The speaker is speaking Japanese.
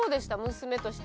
娘として。